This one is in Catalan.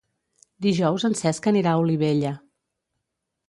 Dijous en Cesc anirà a Olivella.